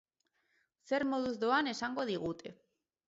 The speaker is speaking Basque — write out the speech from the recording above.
Zer moduz doan esango digute.